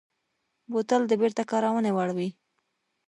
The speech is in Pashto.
بوتل د بېرته کارونې وړ وي.